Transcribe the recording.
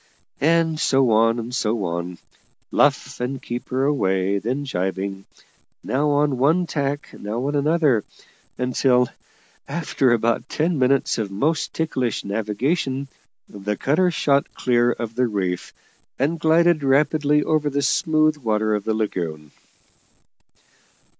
And so on, and so on. Luff, and keep her away; then jibing; now on one tack, now on another; until, after about ten minutes of most ticklish navigation, the cutter shot clear of the reef, and glided rapidly over the smooth water of the lagoon.